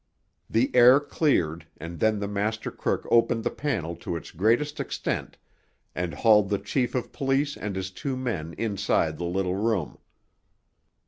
The air cleared, and then the master crook opened the panel to its greatest extent, and hauled the chief of police and his two men inside the little room.